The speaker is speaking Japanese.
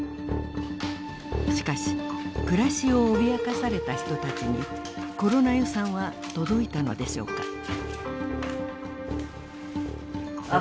しかし暮らしを脅かされた人たちにコロナ予算は届いたのでしょうか？